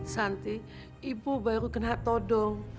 santi ibu baru kena todong